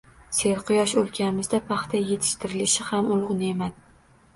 Serquyosh o‘lkamizda paxta yetishtirilishi ham ulug‘ ne'matdir